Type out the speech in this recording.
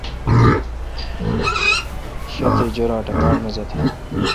شہ تے جویراٹ اے° باڑ مزہ تھال۔